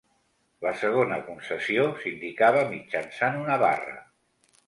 La segona concessió s'indicava mitjançant una barra.